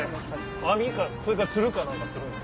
網かそれか釣るか何かするんですか？